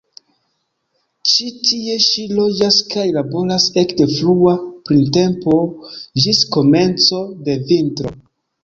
Ĉi tie ŝi loĝas kaj laboras ekde frua printempo ĝis komenco de vintro.